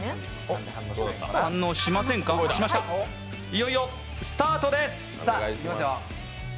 いよいよスタートです。